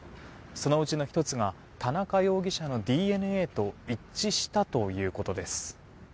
その１つが田中容疑者のＤＮＡと一致したということです。